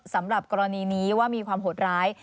สำหรับกรณีนี้ว่ามีความโหดร้าย